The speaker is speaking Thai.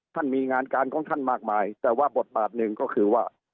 มีงานการของท่านมากมายแต่ว่าบทบาทหนึ่งก็คือว่า